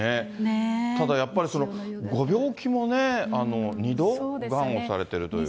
ただやっぱり、ご病気もね、２度、がんをされてるということで。